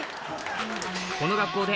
この学校で